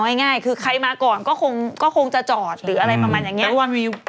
ง่ายคือใครมาก่อนก็คงก็คงจะจอดหรืออะไรประมาณอย่างนี้